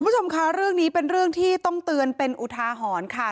คุณผู้ชมคะเรื่องนี้เป็นเรื่องที่ต้องเตือนเป็นอุทาหรณ์ค่ะ